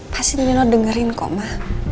pasti nino dengerin kok ma